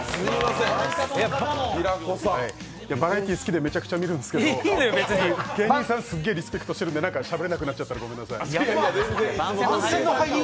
バラエティー好きでめちゃくちゃ見るんですけど、芸人さん好きで、すげえリスペクトしてるんでしゃべれなくなっちゃったらごめんなさい。